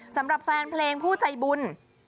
สำหรับแฟนเพลงผู้ใจบุญ